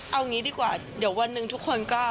เอางี้ดีกว่าเดี๋ยววันหนึ่งทุกคนก็